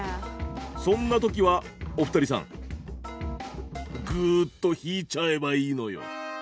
そんなときは、お二人さんぐーっと引いちゃえばいいのよ。